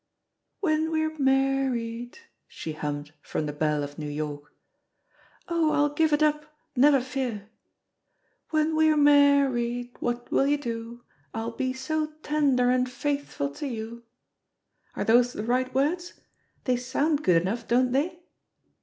" *When we are mar ried,' " she hummed from The Belle of New York. ''Oh, I'll give it up, never fear! *When we are mar ried^ What will you do? I'll be so tender and faithful to you * [Are those the right words? They soimd good enough, don't they?"